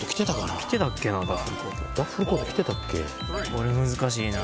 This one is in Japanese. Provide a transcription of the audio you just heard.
これ難しいな。